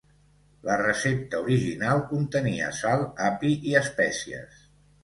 La recepta original contenia sal, api i espècies.